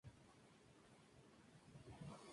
En el tercer acto se consuma la tragedia.